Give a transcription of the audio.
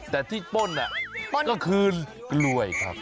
แต่ที่ป้นก็คือกล้วยครับ